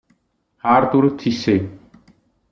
Arthur Cissé